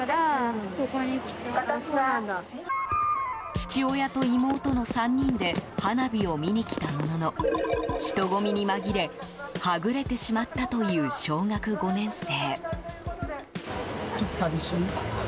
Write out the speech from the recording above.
父親と妹の３人で花火を見に来たものの人混みに紛れはぐれてしまったという小学５年生。